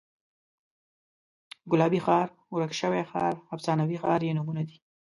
ګلابي ښار، ورک شوی ښار، افسانوي ښار یې نومونه دي.